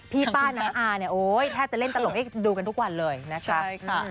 พี่ป้าน้าอาแทบจะเล่นตลกให้ดูกันทุกวันเลยนะครับ